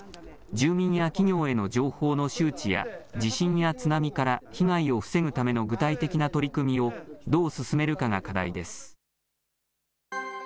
住民や企業への情報の周知や、地震や津波から被害を防ぐための具体的な取り組みをどう進めるかが課題です。